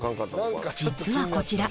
実はこちら。